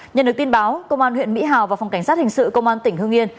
nhận được tin báo công an huyện mỹ hào và phòng cảnh sát hình sự công an tỉnh hương yên